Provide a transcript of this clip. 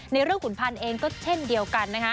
ในเรื่องขุนพันธ์เองก็เช่นเดียวกันนะคะ